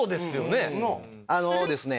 あのですね